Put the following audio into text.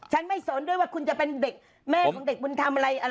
ฉันไม่สนด้วยว่าคุณจะเป็นเด็กแม่ของเด็กบุญทำอะไร